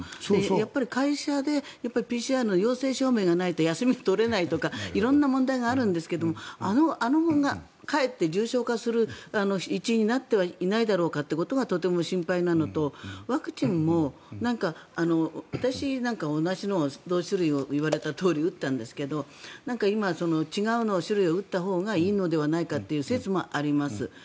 やっぱり会社でＰＣＲの陽性証明がないと休みが取れないとか色んな問題があるんですがあのままかえって重症化する一因になってはいないだろうかととても心配なのとワクチンも私なんかは同じ種類のを言われたように打ったんですけど今、違う種類を打ったほうがいいのではという説もあります。